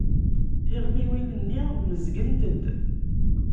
Tiɣmiwin-nni mmezgent-d.